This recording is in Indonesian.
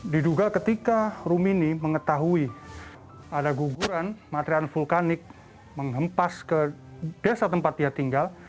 diduga ketika rumini mengetahui ada guguran material vulkanik menghempas ke desa tempat dia tinggal